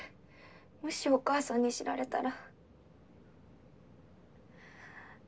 もしお母さんに知られたら。